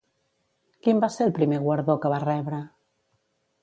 Quin va ser el primer guardó que va rebre?